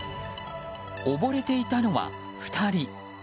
溺れていたのは２人。